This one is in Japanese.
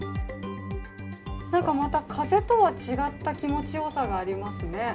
なんかまた風とは違った気持ちよさがありますね。